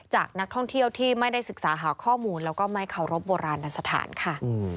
จากนักท่องเที่ยวที่ไม่ได้ศึกษาหาข้อมูลแล้วก็ไม่เคารพโบราณสถานค่ะ